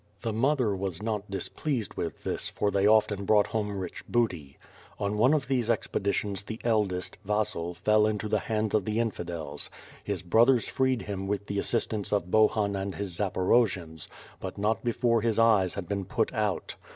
The mother was not dis pleased with this for they often brought home rich booty. On one of these expeditions the eldest, Vasil, fell into the hands of the Infidels; his brothers freed him with the as sistance of Bohun and his Zaporojians, but not before his eyes had been put out.